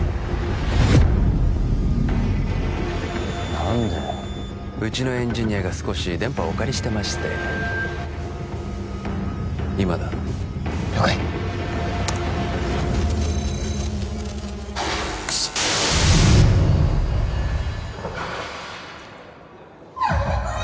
何でうちのエンジニアが少し電波をお借りしてまして今だ了解クソッ何だこれ？